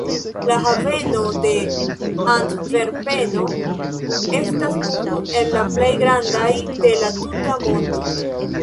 La haveno de Antverpeno estas unu el la plej grandaj de la tuta mondo.